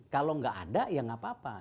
kalau nggak ada ya nggak apa apa